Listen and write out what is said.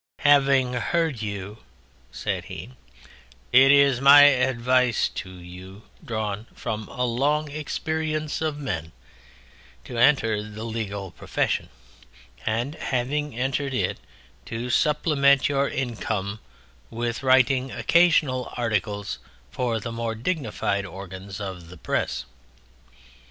"Having heard you," he said, "it is my advice to you, drawn from a long experience of men, to enter the legal profession, and, having entered it, to supplement your income with writing occasional articles for the more dignified organs of the Press.